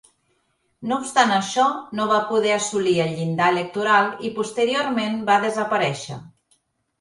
No obstant això, no va poder assolir el llindar electoral i posteriorment va desaparèixer.